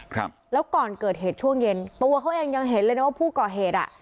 ครับแล้วก่อนเกิดเหตุช่วงเย็นตัวเขาเองยังเห็นเลยนะว่าผู้ก่อเหตุอ่ะ